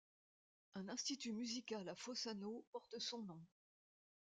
Un institut musical à Fossano porte son nom.